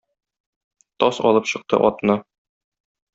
Таз алып чыкты атны.